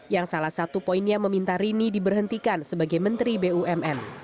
yang salah satu poinnya meminta rini diberhentikan sebagai menteri bumn